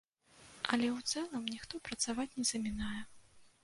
Але ў цэлым, ніхто працаваць не замінае.